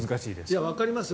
僕もわかりますよ。